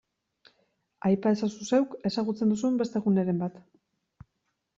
Aipa ezazu zeuk ezagutzen duzun beste guneren bat.